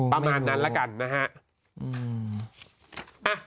ประมาณนั้นละกันนะฮะ